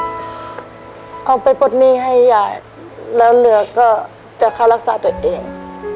เขาไปปลดหนี้ให้ยายแล้วเหลือก็จะเข้ารักษาตัวเอง